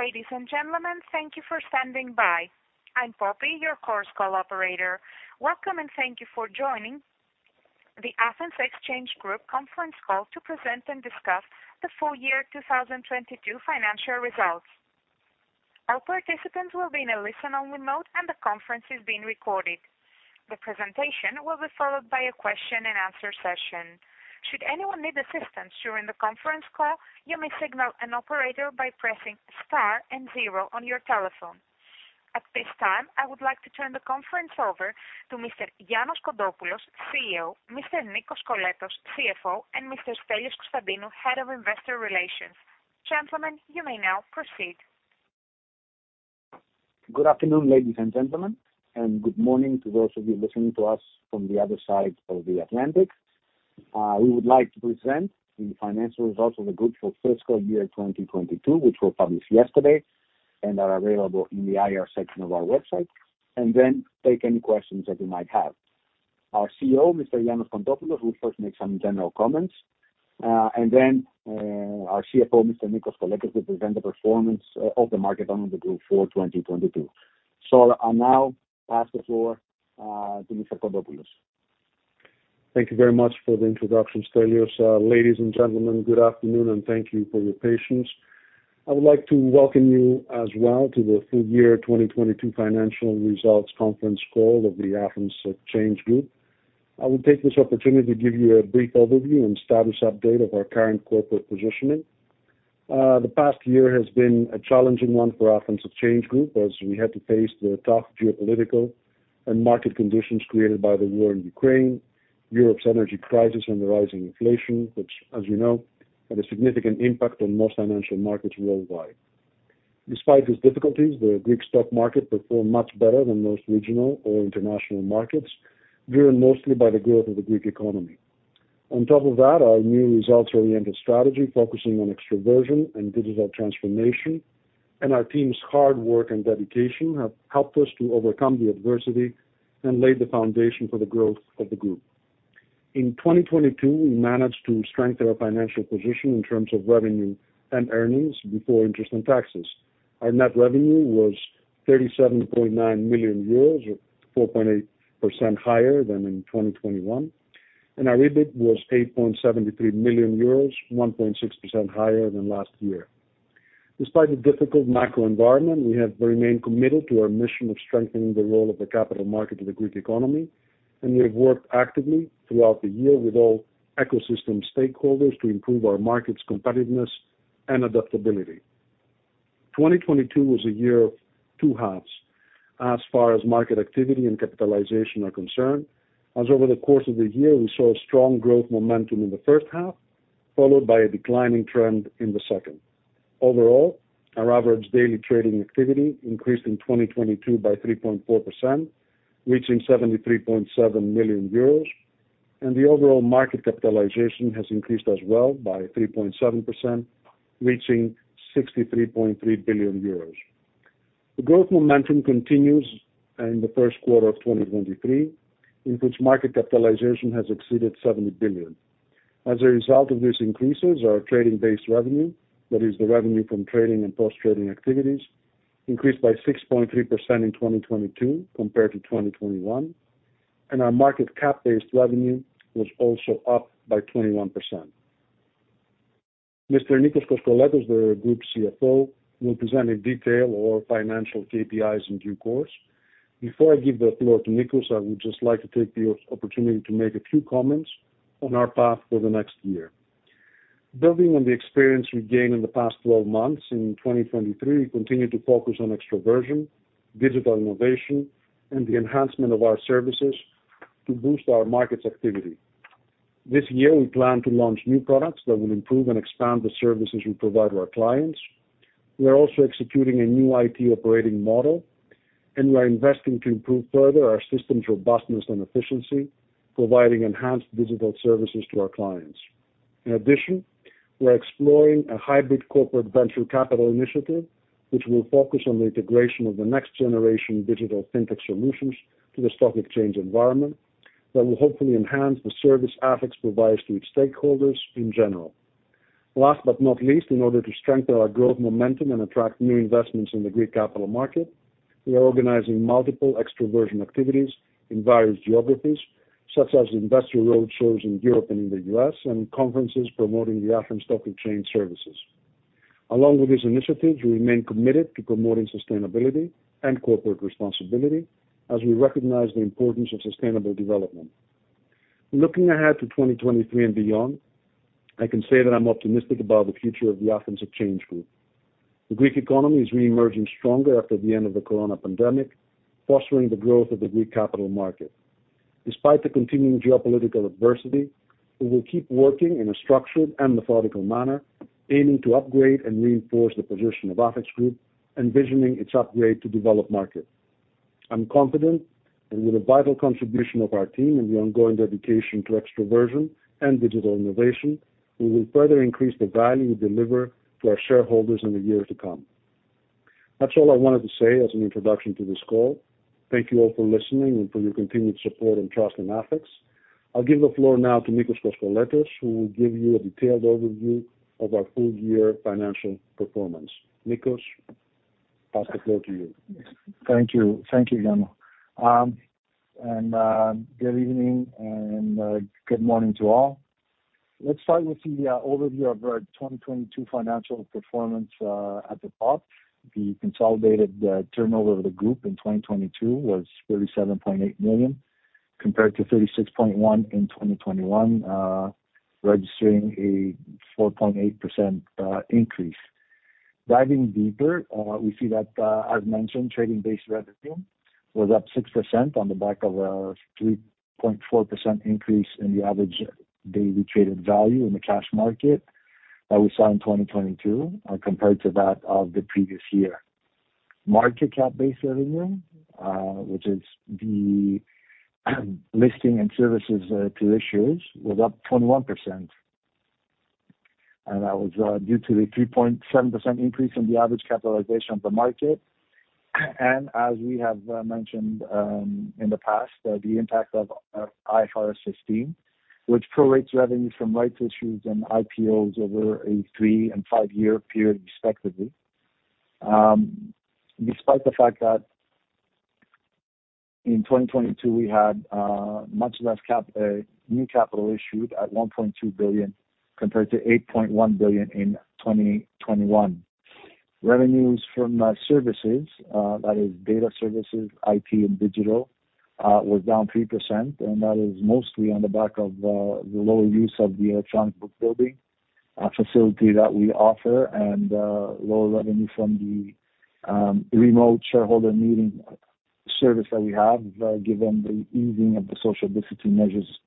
Ladies and gentlemen, thank you for standing by. I'm Poppy, your course call operator. Welcome, and thank you for joining the Athens Exchange Group conference call to present and discuss the full-year 2022 financial results. All participants will be in a listen-only mode, and the conference is being recorded. The presentation will be followed by a Q&A session. Should anyone need assistance during the conference call, you may signal an operator by pressing star and zero on your telephone. At this time, I would like to turn the conference over to Mr. Yiannos Kontopoulos, Chief Executive Officer, Mr. Nikos Koskoletos, Chief Financial Officer, and Mr. Stelios Konstantinou, Head of Investor Relations. Gentlemen, you may now proceed. Good afternoon, ladies and gentlemen, and good morning to those of you listening to us from the other side of the Atlantic. We would like to present the financial results of the group for FY 2022, which were published yesterday and are available in the Investor Relations section of our website, then take any questions that you might have. Our Chief Executive Officer, Mr. Yiannos Kontopoulos, will first make some general comments, then our Chief Financial Officer, Mr. Nikos Koskoletos, will present the performance of the market and of the group for 2022. I'll now pass the floor to Mr. Kontopoulos. Thank you very much for the introduction, Stelios. Ladies and gentlemen, good afternoon, and thank you for your patience. I would like to welcome you as well to the full-year 2022 financial results conference call of the Athens Exchange Group. I will take this opportunity to give you a brief overview and status update of our current corporate positioning. The past year has been a challenging one for Athens Exchange Group, as we had to face the tough geopolitical and market conditions created by the war in Ukraine, Europe's energy crisis, and the rising inflation, which, as you know, had a significant impact on most financial markets worldwide. Despite these difficulties, the Greek stock market performed much better than most regional or international markets, driven mostly by the growth of the Greek economy. On top of that, our new results-oriented strategy focusing on extroversion and digital transformation and our team's hard work and dedication have helped us to overcome the adversity and laid the foundation for the growth of the group. In 2022, we managed to strengthen our financial position in terms of revenue and earnings before interest and taxes. Our net revenue was 37.9 million euros or 4.8% higher than in 2021. Our EBIT was 8.73 million euros, 1.6% higher than last year. Despite the difficult macro environment, we have remained committed to our mission of strengthening the role of the capital market of the Greek economy. We have worked actively throughout the year with all ecosystem stakeholders to improve our market's competitiveness and adaptability. 2022 was a year of two halves as far as market activity and capitalization are concerned, as over the course of the year, we saw a strong growth momentum in the first half, followed by a declining trend in the second. Overall, our average daily trading activity increased in 2022 by 3.4%, reaching 73.7 million euros, and the overall market capitalization has increased as well by 3.7%, reaching 63.3 billion euros. The growth momentum continues in the Q1 2023, in which market capitalization has exceeded 70 billion. As a result of these increases, our trading-based revenue, that is the revenue from trading and post-trading activities, increased by 6.3% in 2022 compared to 2021, and our market cap-based revenue was also up by 21%. Mr. Nikos Koskoletos, the Group Chief Financial Officer, will present in detail our financial KPIs in due course. Before I give the floor to Nikos, I would just like to take the opportunity to make a few comments on our path for the next year. Building on the experience we gained in the past 12 months, in 2023 we continue to focus on extroversion, digital innovation, and the enhancement of our services to boost our market's activity. This year we plan to launch new products that will improve and expand the services we provide to our clients. We are also executing a new IT operating model, and we are investing to improve further our system's robustness and efficiency, providing enhanced digital services to our clients. We are exploring a hybrid corporate venture capital initiative, which will focus on the integration of the next generation digital fintech solutions to the stock exchange environment that will hopefully enhance the service ATHEX provides to its stakeholders in general. Last but not least, in order to strengthen our growth momentum and attract new investments in the Greek capital market, we are organizing multiple extroversion activities in various geographies, such as investor roadshows in Europe and in the U.S. and conferences promoting the Athens Stock Exchange services. Along with these initiatives, we remain committed to promoting sustainability and corporate responsibility as we recognize the importance of sustainable development. Looking ahead to 2023 and beyond, I can say that I'm optimistic about the future of the Athens Exchange Group. The Greek economy is reemerging stronger after the end of the corona pandemic, fostering the growth of the Greek capital market. Despite the continuing geopolitical adversity, we will keep working in a structured and methodical manner, aiming to upgrade and reinforce the position of ATHEX Group, envisioning its upgrade to developed market. I'm confident that with the vital contribution of our team and the ongoing dedication to extroversion and digital innovation, we will further increase the value we deliver to our shareholders in the years to come. That's all I wanted to say as an introduction to this call. Thank you all for listening and for your continued support and trust in ATHEX. I'll give the floor now to Nikos Koskoletos, who will give you a detailed overview of our full-year financial performance. Nikos, pass the floor to you. Thank you. Thank you, Yiannos. Good evening and good morning to all. Let's start with the overview of our 2022 financial performance at the top. The consolidated turnover of the group in 2022 was 37.8 million, compared to 36.1 million in 2021, registering a 4.8% increase. Diving deeper, we see that as mentioned, trading-based revenue was up 6% on the back of a 3.4% increase in the average daily traded value in the cash market that we saw in 2022, compared to that of the previous year. Market cap-based revenue, which is the listing and services to issuers, was up 21%. That was due to the 3.7% increase in the average capitalization of the market. As we have mentioned in the past, the impact of IFRS 15, which prorates revenue from rights issues and IPOs over a three and five-year period respectively. Despite the fact that in 2022, we had much less new capital issued at 1.2 billion, compared to 8.1 billion in 2021. Revenues from services, that is data services, IT, and digital, was down 3%, and that is mostly on the back of the lower use of the Electronic Book Building facility that we offer and lower revenue from the remote shareholder meeting service that we have, given the easing of the social distancing measures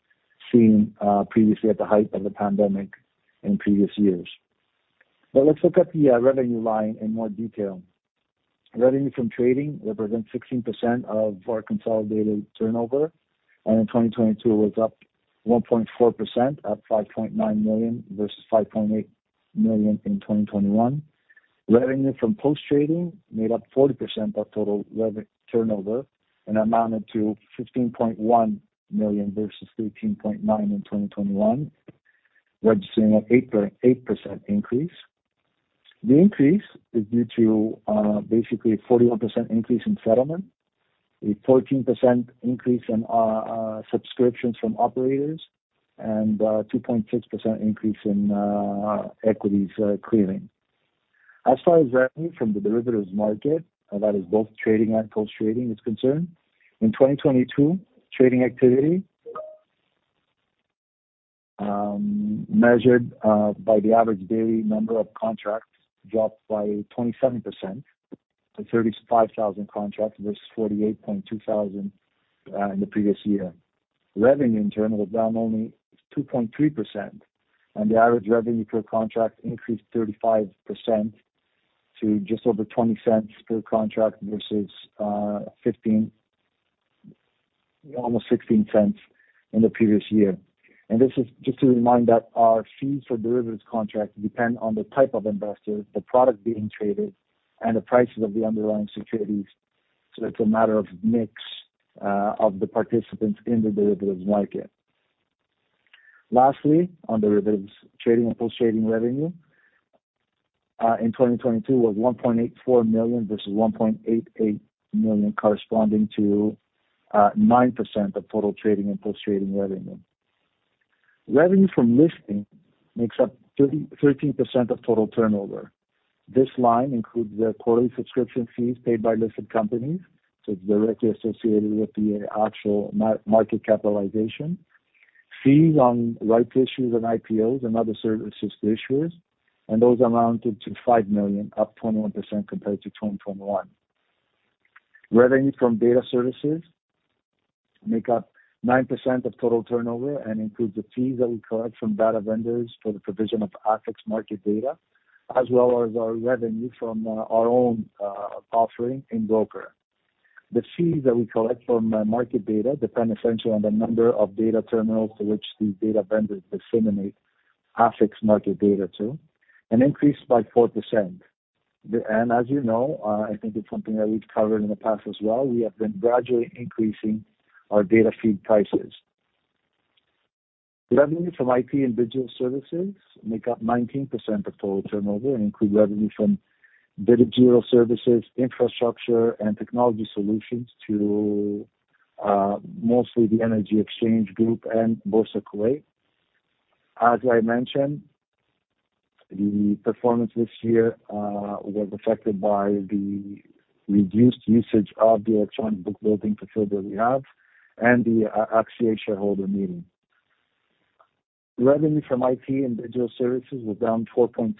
seen previously at the height of the pandemic in previous years. Let's look at the revenue line in more detail. Revenue from trading represents 16% of our consolidated turnover, in 2022 was up 1.4% at 5.9 million versus 5.8 million in 2021. Revenue from post-trading made up 40% of total turnover and amounted to 15.1 million versus 13.9 million in 2021, registering an 8.8% increase. The increase is due to basically a 41% increase in settlement, a 14% increase in subscriptions from operators, and 2.6% increase in equities clearing. As far as revenue from the derivatives market, that is both trading and post-trading is concerned, in 2022, trading activity measured by the average daily number of contracts dropped by 27% to 35,000 contracts versus 48,200 in the previous year. Revenue in turn was down only 2.3%, and the average revenue per contract increased 35% to just over 0.20 per contract versus 0.15 almost 0.16 in the previous year. This is just to remind that our fees for derivatives contracts depend on the type of investor, the product being traded, and the prices of the underlying securities, so it's a matter of mix of the participants in the derivatives market. Lastly, on derivatives trading and post-trading revenue, in 2022 was 1.84 million versus 1.88 million, corresponding to 9% of total trading and post-trading revenue. Revenue from listing makes up 13% of total turnover. This line includes the quarterly subscription fees paid by listed companies, so it's directly associated with the actual market capitalization. Fees on rights issues and IPOs and other services to issuers, those amounted to 5 million, up 21% compared to 2021. Revenue from data services make up 9% of total turnover and includes the fees that we collect from data vendors for the provision of ATHEX market data, as well as our revenue from our own offering InBroker Services. The fees that we collect from market data depend essentially on the number of data terminals to which the data vendors disseminate ATHEX market data to, and increased by 4%. As you know, I think it's something that we've covered in the past as well, we have been gradually increasing our data feed prices. Revenue from IT and digital services make up 19% of total turnover and include revenue from digital services, infrastructure, and technology solutions to mostly the Hellenic Energy Exchange Group and Boursa Kuwait. As I mentioned, the performance this year was affected by the reduced usage of the Electronic Book Building facility that we have and the AXIA e-Shareholders Meeting. Revenue from IT and digital services was down 4.6%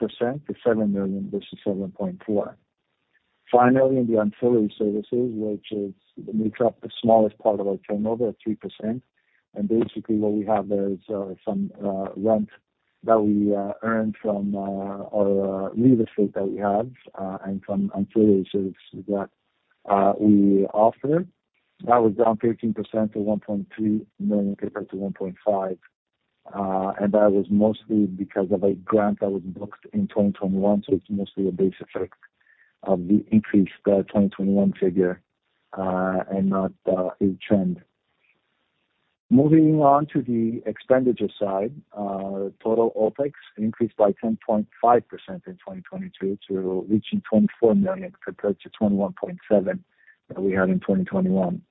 to 7 million versus 7.4 million. Finally, in the ancillary services, which may take up the smallest part of our turnover at 3%, and basically what we have there is some rent that we earn from our real estate that we have and from ancillary services that we offer. That was down 13% to 1.2 million compared to 1.5 million. That was mostly because of a grant that was booked in 2021, so it's mostly a base effect of the increased 2021 figure, and not a trend. Moving on to the expenditure side, total OpEx increased by 10.5% in 2022 to reaching 24 million compared to 21.7 million that we had in 2021.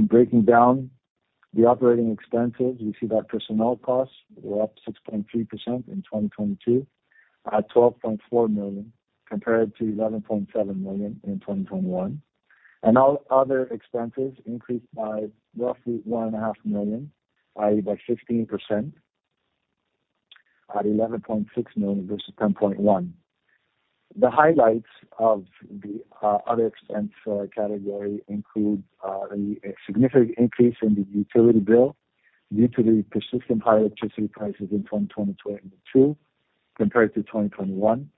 Breaking down the operating expenses, we see that personnel costs were up 6.3% in 2022 at 12.4 million compared to 11.7 million in 2021. All other expenses increased by roughly 1.5 million, i.e., by 16% at 11.6 million versus 10.1 million. The highlights of the other expense category includes a significant increase in the utility bill due to the persistent high electricity prices in 2022 compared to 2021,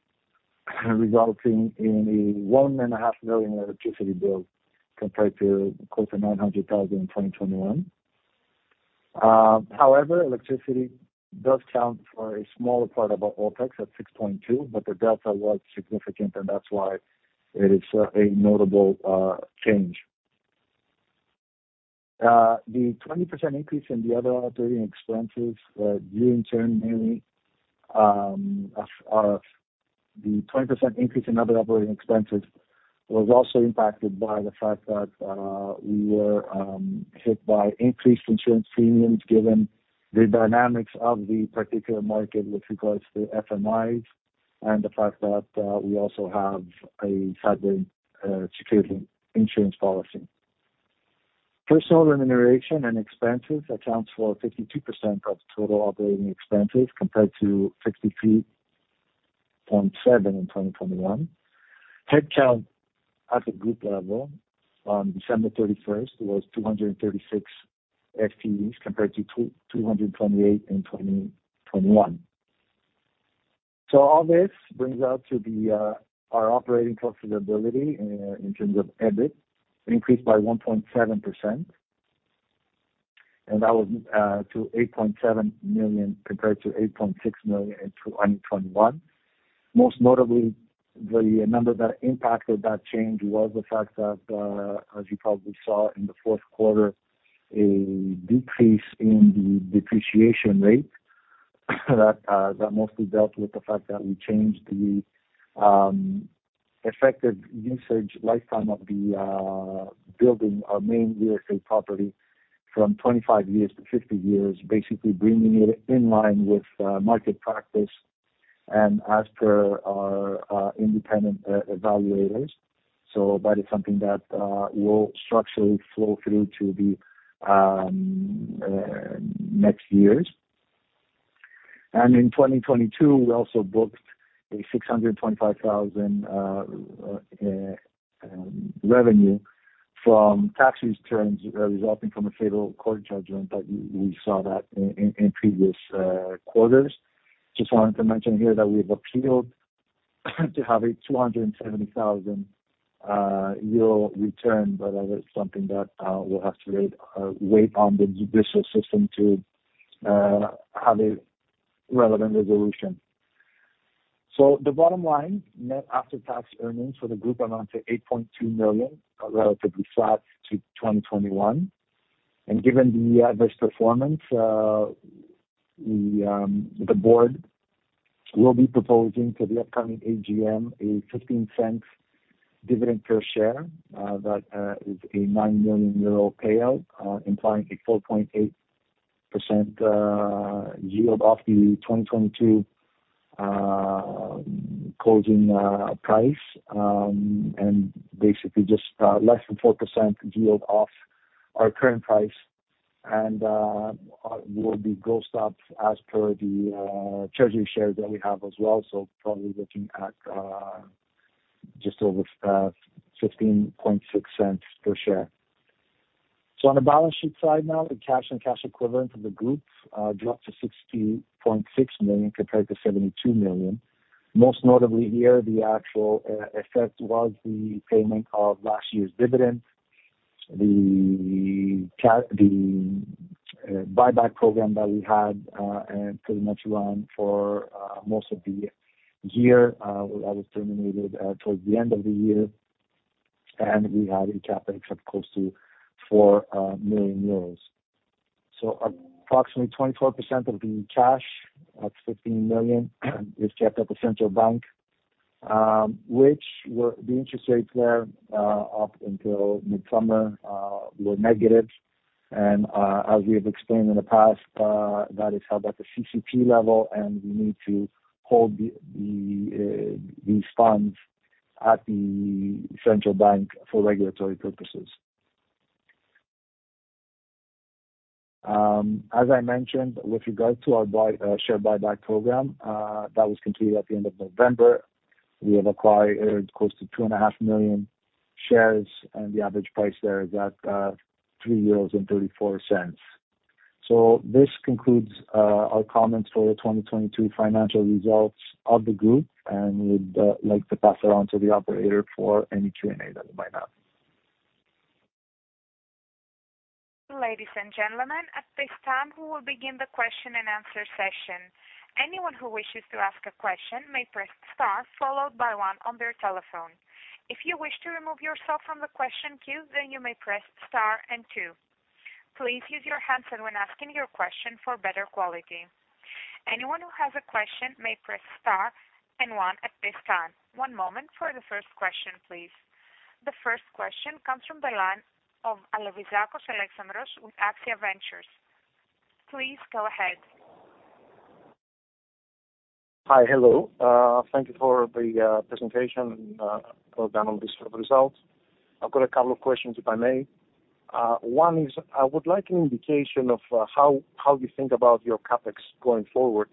resulting in a 1.5 million electricity bill compared to close to 900,000 in 2021. However, electricity does count for a smaller part of our OpEx at 6.2%, but the delta was significant, and that's why it is a notable change. The 20% increase in the other operating expenses was also impacted by the fact that we were hit by increased insurance premiums given the dynamics of the particular market with regards to FMIs and the fact that we also have a cyber security insurance policy. Personnel remuneration and expenses accounts for 52% of total operating expenses compared to 63.7% in 2021. Headcount at the group level on December 31st was 236 FTEs compared to 228 in 2021. All this brings us to the our operating profitability in terms of EBIT increased by 1.7%, and that was to 8.7 million compared to 8.6 million in 2021. Most notably, the number that impacted that change was the fact that, as you probably saw in the Q4, a decrease in the depreciation rate that mostly dealt with the fact that we changed the effective usage lifetime of the building, our main U.S.A. property from 25 years to 50 years, basically bringing it in line with market practice and as per our independent evaluators. That is something that will structurally flow through to the next years. In 2022, we also booked 625,000 revenue from tax returns resulting from a federal court judgment that we saw that in previous quarters. Just wanted to mention here that we've appealed to have a 270,000 euro return, but that is something that we'll have to wait on the judicial system to have a relevant resolution. The bottom line, net after-tax earnings for the group amount to 8.2 million, are relatively flat to 2021. Given the adverse performance, we the board will be proposing to the upcoming AGM a 0.15 dividend per share. That is a 9 million euro payout, implying a 4.8% yield off the 2022 closing price, and basically just less than 4% yield off our current price, and will be grossed up as per the treasury shares that we have as well. Probably looking at just over 0.156 per share. On the balance sheet side now, the cash and cash equivalent of the group dropped to 60.6 million compared to 72 million. Most notably here, the actual effect was the payment of last year's dividends. The buyback program that we had and pretty much run for most of the year that was terminated towards the end of the year, and we had a CapEx of close to 4 million euros. Approximately 24% of the cash, that's 15 million, is kept at the central bank. The interest rates there up until mid-summer were negative. As we have explained in the past, that is held at the CCP level, and we need to hold these funds at the central bank for regulatory purposes. As I mentioned, with regards to our share buyback program, that was completed at the end of November. We have acquired close to 2.5 million shares, and the average price there is at 3.34 euros. This concludes our comments for the 2022 financial results of the group, and we'd like to pass around to the operator for any Q&A that you might have. Ladies and gentlemen, at this time we will begin the question and answer session. Anyone who wishes to ask a question may press star followed by one on their telephone. If you wish to remove yourself from the question queue, then you may press star and two. Please use your handset when asking your question for better quality. Anyone who has a question may press star and one at this time. One moment for the first question, please. The first question comes from the line of Alevizakos Alexandros with AXIA Ventures. Please go ahead. Hi. Hello. Thank you for the presentation and well done on this results. I've got a couple of questions, if I may. One is I would like an indication of how you think about your CapEx going forward.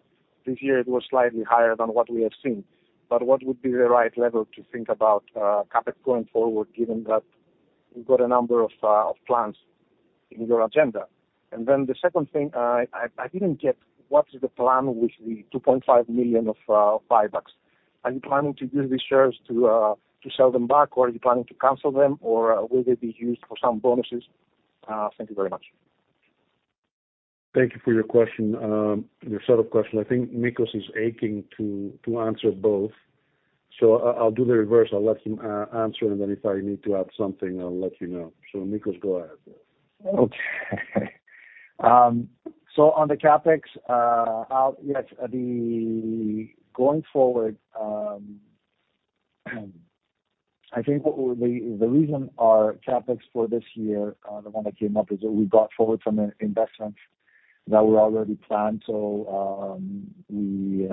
This year it was slightly higher than what we have seen. What would be the right level to think about CapEx going forward, given that you've got a number of plans in your agenda? The second thing, I didn't get what is the plan with the 2.5 million of buybacks. Are you planning to use these shares to sell them back, or are you planning to cancel them, or will they be used for some bonuses? Thank you very much. Thank you for your question. Your set of questions? I think Nikos is aching to answer both. I'll do the reverse. I'll let him answer, and then if I need to add something, I'll let you know. Nikos, go ahead. Okay. Yes, the going forward, I think what were the reason our CapEx for this year, the one that came up is that we brought forward some investments that were already planned. We,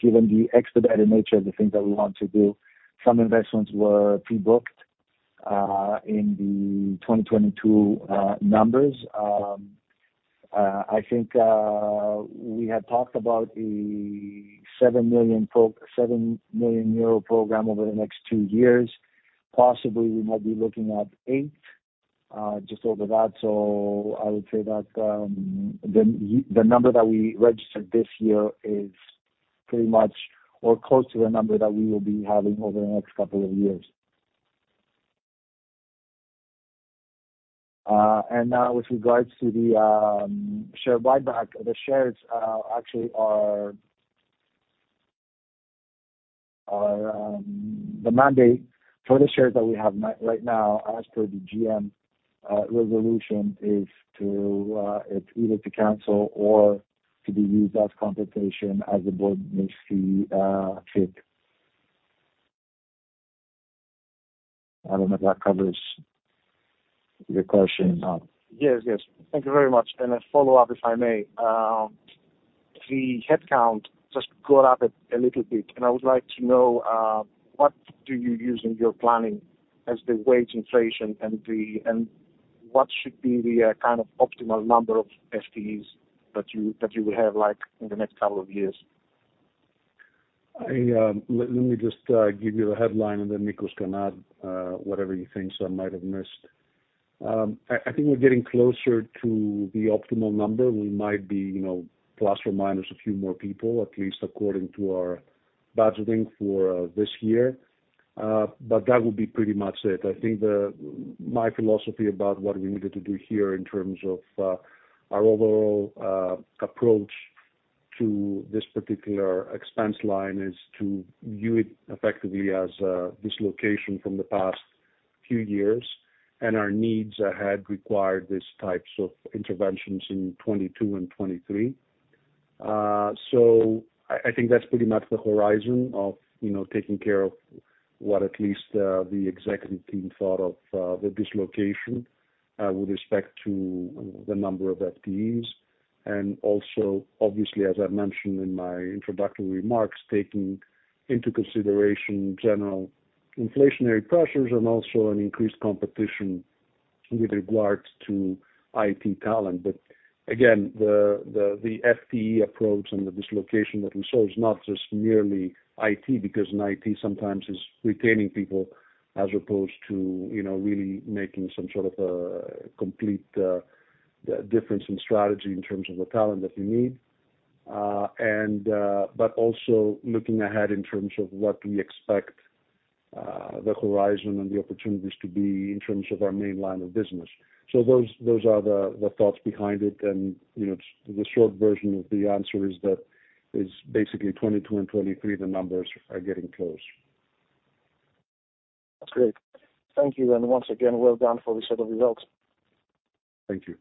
given the expedited nature of the things that we want to do, some investments were pre-booked in the 2022 numbers. I think we had talked about a 7 million euro program over the next two years. Possibly we might be looking at 8 million, just over that. I would say that the number that we registered this year is pretty much or close to the number that we will be having over the next couple of years. Now with regards to the share buyback, the shares actually are the mandate for the shares that we have right now, as per the GM resolution, is to it's either to cancel or to be used as compensation as the board may see fit. I don't know if that covers your question or not? Yes. Thank you very much. A follow-up, if I may. The headcount just got up a little bit, and I would like to know what do you use in your planning as the wage inflation and what should be the kind of optimal number of FTEs that you will have, like in the next couple of years? Let me just give you the headline and then Nikos can add, whatever you think I might have missed. I think we're getting closer to the optimal number. We might be, you know, plus or minus a few more people, at least according to our budgeting for, this year. That would be pretty much it. My philosophy about what we needed to do here in terms of, our overall, approach to this particular expense line is to view it effectively as a dislocation from the past few years. Our needs ahead require these types of interventions in 2022 and 2023. I think that's pretty much the horizon of, you know, taking care of what at least, the executive team thought of, the dislocation, with respect to the number of FTEs. Also obviously, as I mentioned in my introductory remarks, taking into consideration general inflationary pressures and also an increased competition with regards to IT talent. Again, the, the FTE approach and the dislocation that we saw is not just merely IT, because in IT sometimes it's retaining people as opposed to, you know, really making some sort of a complete difference in strategy in terms of the talent that you need. Also looking ahead in terms of what we expect, the horizon and the opportunities to be in terms of our main line of business. Those, those are the thoughts behind it. You know, the short version of the answer is that is basically 2022 and 2023, the numbers are getting close. That's great. Thank you. Once again, well done for the set of results. Thank you.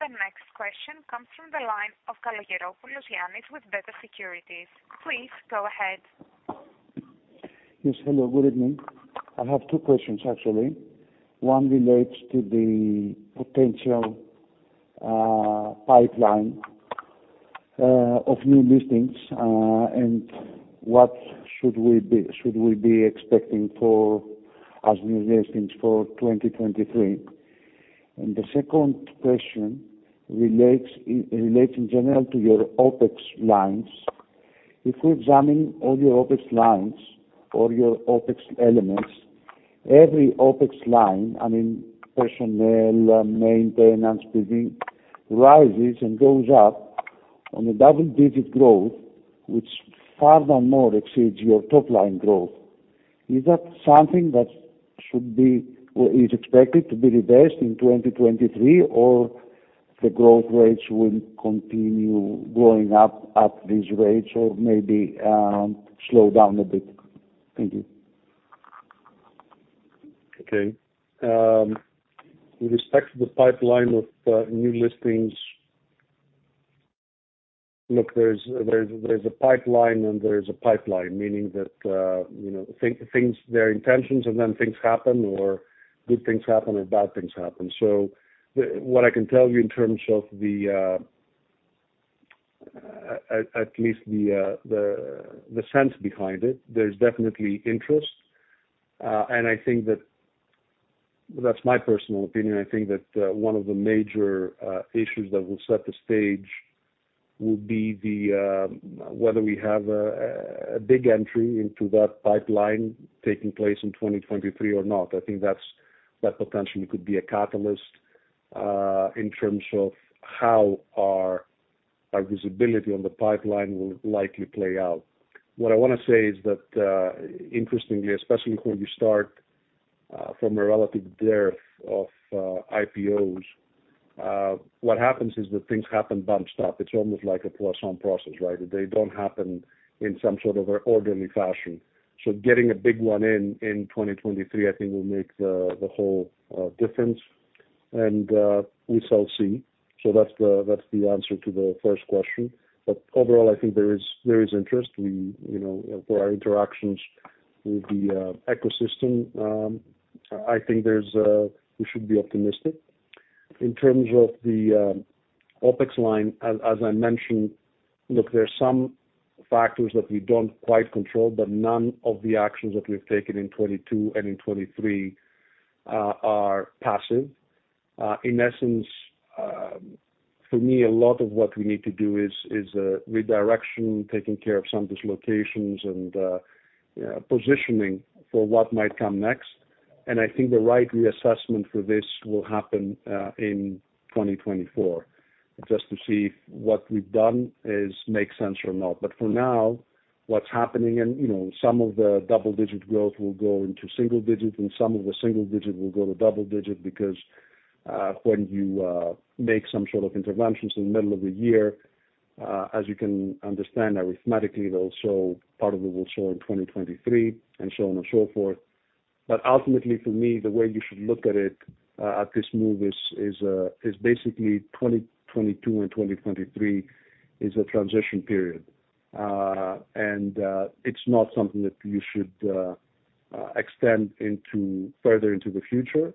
The next question comes from the line of KalogeropoulosYannis with Beta Securities. Please go ahead. Yes. Hello. Good evening. I have two questions actually. One relates to the potential pipeline of new listings, and what should we be expecting for as new listings for 2023? The second question relates in general to your OpEx lines. If we examine all your OpEx lines or your OpEx elements, every OpEx line, I mean, personnel, maintenance, PD rises and goes up on a double-digit growth, which far than more exceeds your top line growth. Is that something that should be or is expected to be reversed in 2023 or the growth rates will continue going up at these rates or maybe slow down a bit? Thank you. Okay. With respect to the pipeline of new listings. Look, there's a pipeline and there's a pipeline, meaning that, you know, things their intentions and then things happen or good things happen and bad things happen. What I can tell you in terms of the at least the sense behind it, there's definitely interest. I think that that's my personal opinion. I think that one of the major issues that will set the stage will be the whether we have a big entry into that pipeline taking place in 2023 or not. I think that potentially could be a catalyst in terms of how our visibility on the pipeline will likely play out. What I wanna say is that, interestingly, especially when you start from a relative dearth of IPOs, what happens is that things happen bump stop. It's almost like a Poisson process, right? They don't happen in some sort of an orderly fashion. Getting a big one in 2023, I think will make the whole difference. We shall see. That's the answer to the first question. Overall, I think there is interest. We, you know, for our interactions with the ecosystem, I think there's we should be optimistic. In terms of the OpEx line. As I mentioned, look, there are some factors that we don't quite control, but none of the actions that we've taken in 2022 and in 2023 are passive. In essence, for me, a lot of what we need to do is redirection, taking care of some dislocations and positioning for what might come next. I think the right reassessment for this will happen in 2024, just to see if what we've done is make sense or not. For now, what's happening and, you know, some of the double-digit growth will go into single digit, and some of the single digit will go to double digit because when you make some sort of interventions in the middle of the year, as you can understand, arithmetically, they'll show part of it will show in 2023, and so on and so forth. Ultimately, for me, the way you should look at it, at this move is basically 2022 and 2023 is a transition period. And, it's not something that you should, extend into further into the future.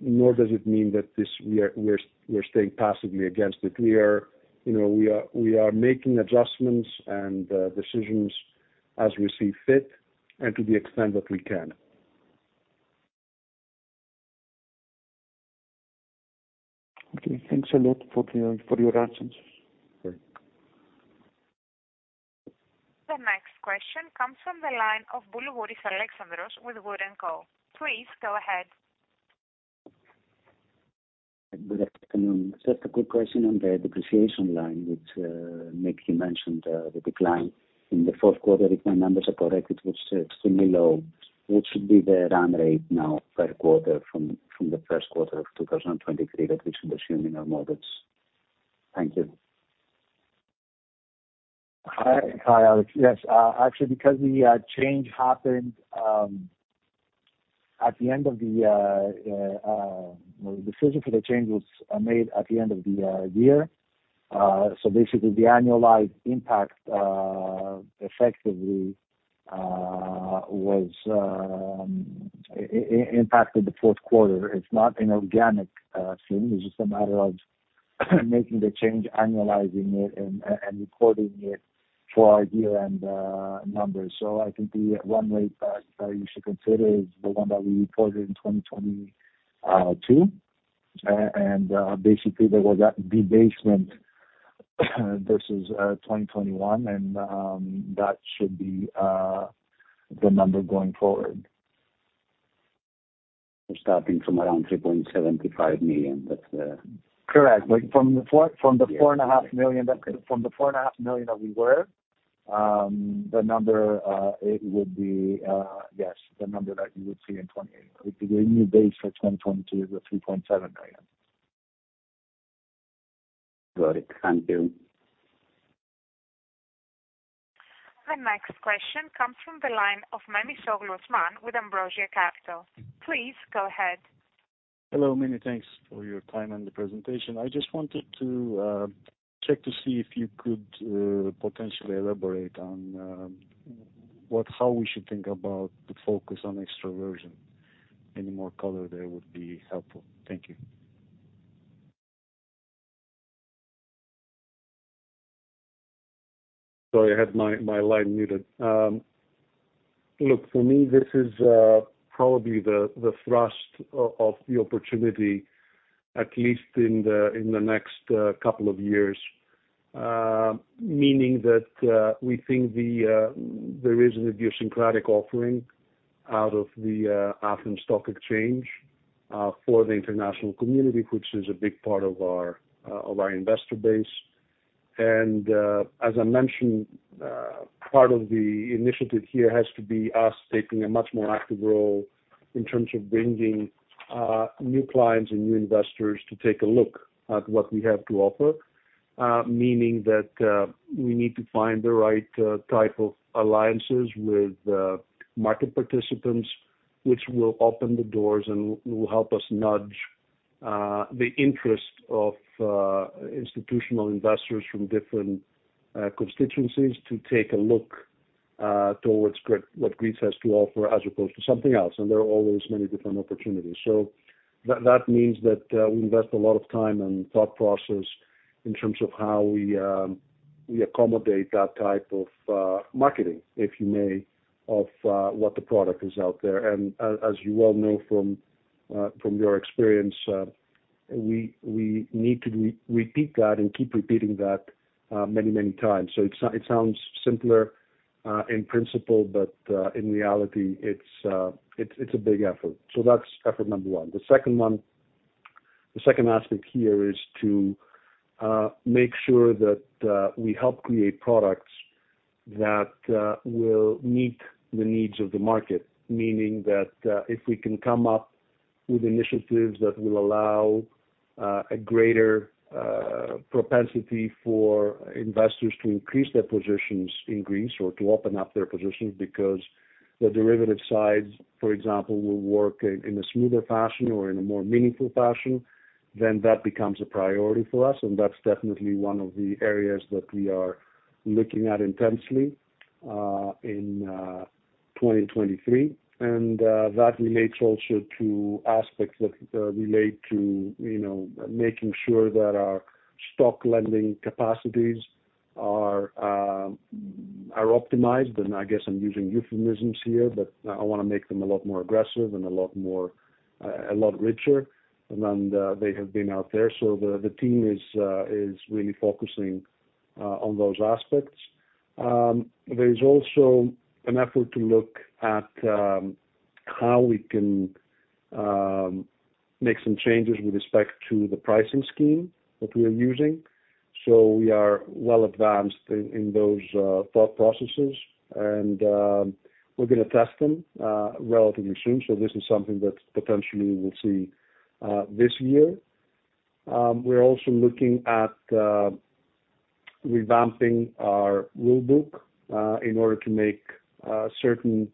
Nor does it mean that this we are staying passively against it. We are, you know, we are making adjustments and decisions as we see fit and to the extent that we can. Okay. Thanks a lot for the, for your answers. Great. The next question comes from the line of Alexandros Boulougouris with Wood & Co. Please go ahead. Good afternoon. Just a quick question on the depreciation line, which, Nick, you mentioned, the decline in the Q4. If my numbers are correct, it was extremely low. What should be the run rate now per quarter from the Q1 of 2023 that we should assume in our models? Thank you. Hi. Hi, Alex. Yes. Actually, because the change happened at the end of the decision for the change was made at the end of the year. Basically, the annualized impact effectively was impacted the Q4. It's not an organic thing. It's just a matter of making the change, annualizing it, and recording it for our year-end numbers. I think the one way that you should consider is the one that we reported in 2022. Basically, there was that debasement versus 2021, and that should be the number going forward. We're starting from around 3.7 million-5 million. Correct. Like, from the 4.5 million that we were, the number, it would be, yes, the new base for 2022 is 3.7 million. Got it. Thank you. Our next question comes from the line of Osman Memisoglu with Ambrosia Capital. Please go ahead. Hello. Many thanks for your time and the presentation. I just wanted to check to see if you could potentially elaborate on how we should think about the focus on extroversion. Any more color there would be helpful. Thank you. Sorry, I had my line muted. Look, for me, this is probably the thrust of the opportunity, at least in the next couple of years. Meaning that, we think there is an idiosyncratic offering out of the Athens Stock Exchange, for the international community, which is a big part of our investor base. As I mentioned, part of the initiative here has to be us taking a much more active role in terms of bringing new clients and new investors to take a look at what we have to offer. Meaning that we need to find the right type of alliances with market participants, which will open the doors and will help us nudge the interest of institutional investors from different constituencies to take a look towards what Greece has to offer as opposed to something else. There are always many different opportunities. That means that we invest a lot of time and thought process in terms of how we accommodate that type of marketing, if you may, of what the product is out there. As you well know from your experience, we need to repeat that and keep repeating that many, many times. It sounds simpler in principle, but in reality it's a big effort. That's effort number one. The second one, the second aspect here is to make sure that we help create products that will meet the needs of the market. Meaning that if we can come up with initiatives that will allow a greater propensity for investors to increase their positions in Greece or to open up their positions because the derivative sides, for example, will work in a smoother fashion or in a more meaningful fashion, then that becomes a priority for us, and that's definitely one of the areas that we are looking at intensely in 2023. That relates also to aspects that relate to, you know, making sure that our stock lending capacities are optimized. I guess I'm using euphemisms here, but I wanna make them a lot more aggressive and a lot, richer than they have been out there. The team is really focusing on those aspects. There is also an effort to look at how we can make some changes with respect to the pricing scheme that we are using. We are well advanced in those thought processes. We're gonna test them relatively soon. This is something that potentially we'll see this year. We're also looking at revamping our rule book in order to make certain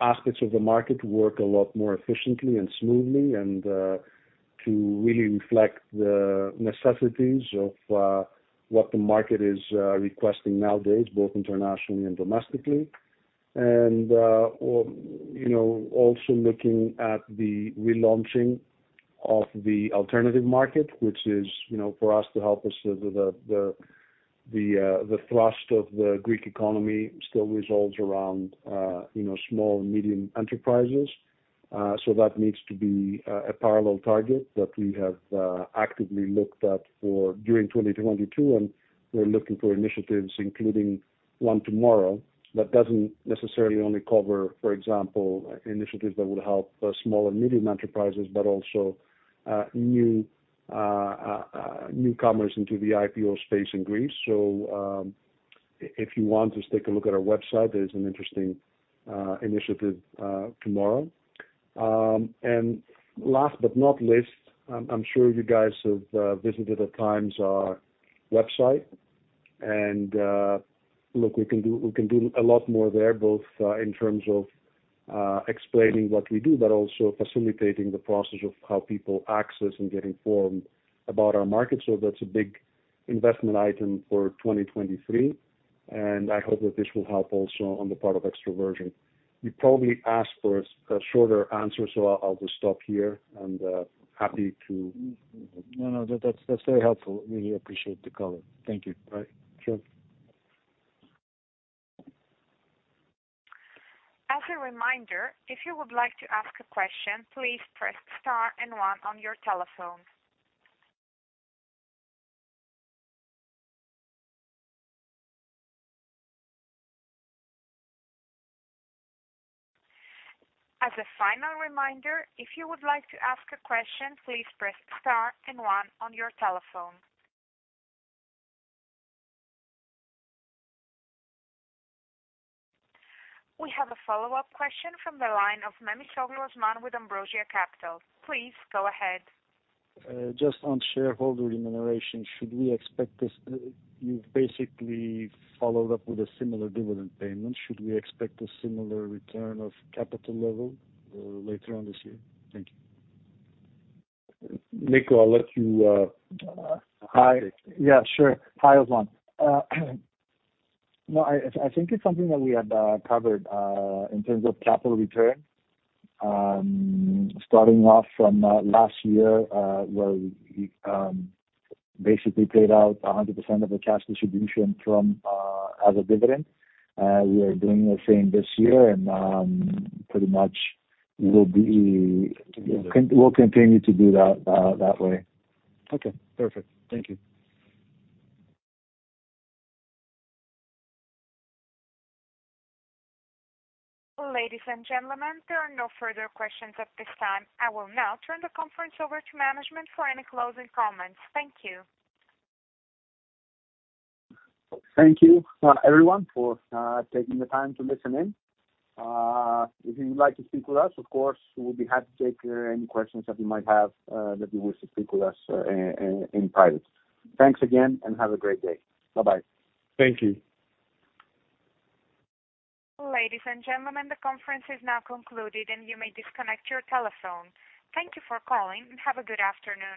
aspects of the market work a lot more efficiently and smoothly, and to really reflect the necessities of what the market is requesting nowadays, both internationally and domestically. Or, you know, also looking at the relaunching of the alternative market, which is, you know, for us to help us with the thrust of the Greek economy still revolves around, you know, small and medium enterprises. That needs to be a parallel target that we have actively looked at for during 2022, and we're looking for initiatives, including one tomorrow, that doesn't necessarily only cover, for example, initiatives that will help small and medium enterprises, but also newcomers into the IPO space in Greece. If you want, just take a look at our website. There's an interesting initiative tomorrow. Last but not least, I'm sure you guys have visited at times our website. Look, we can do a lot more there, both in terms of explaining what we do, but also facilitating the process of how people access and get informed about our market. That's a big investment item for 2023, and I hope that this will help also on the part of extroversion. You probably asked for a shorter answer, I'll just stop here and happy to. No, no. That's very helpful. Really appreciate the color. Thank you. All right. Sure. As a reminder, if you would like to ask a question, please press star and one on your telephone. As a final reminder, if you would like to ask a question, please press star and one on your telephone. We have a follow-up question from the line of Osman Memisoglu with Ambrosia Capital. Please go ahead. Just on shareholder remuneration, you've basically followed up with a similar dividend payment. Should we expect a similar return of capital level later on this year? Thank you. Nikos, I'll let you, take— Hi. Yeah, sure. Hi, Osman. No, I think it's something that we had covered in terms of capital return. Starting off from last year, where we basically paid out 100% of the cash distribution from as a dividend. We are doing the same this year and pretty much will be. Continue. We'll continue to do that way. Okay, perfect. Thank you. Ladies and gentlemen, there are no further questions at this time. I will now turn the conference over to management for any closing comments. Thank you. Thank you, everyone, for taking the time to listen in. If you would like to speak with us, of course, we'll be happy to take any questions that you might have that you wish to speak with us in private. Thanks again, and have a great day. Bye-bye. Thank you. Ladies and gentlemen, the conference is now concluded, and you may disconnect your telephone. Thank you for calling, and have a good afternoon.